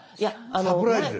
サプライズです。